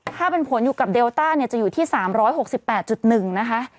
ถ้าเป็นผลอยู่กับเดลต้าเนี่ยจะอยู่ที่๓๖๘๑นะคะ